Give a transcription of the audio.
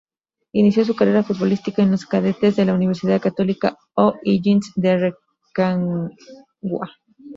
Inició su carrera futbolística en los cadetes de la Universidad Católica O’Higgins de Rancagua.